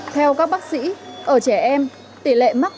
theo các bác sĩ ở trẻ em tỷ lệ mắc hội trứng